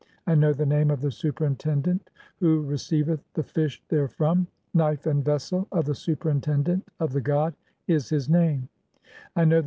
I know (14) the name of the "superintendent who receiveth the fish therefrom ; 'Knife and "vessel of the superintendent of the god' [is his name]. I know "the.